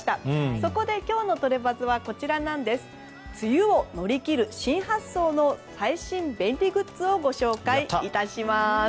そこで今日のトレバズは梅雨を乗り切る新発想の最新便利グッズをご紹介致します。